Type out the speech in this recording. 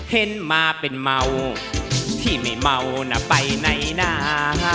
เห็นมาเป็นเมาที่ไม่เมานะไปไหนนะ